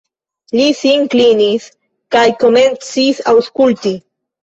Li sin klinis kaj komencis aŭskulti.